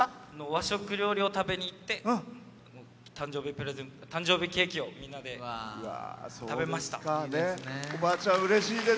和食料理を食べに行って誕生日ケーキをみんなで食べました。